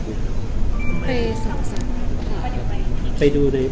ไปสร้างสรรค์